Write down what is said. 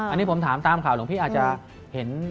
อันนี้ผมถามตามข่าวหลวงพี่อาจจะเห็น